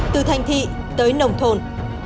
từ thanh thị tới nồng thôn